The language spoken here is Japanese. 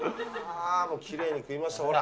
きれいに食いました、ほら。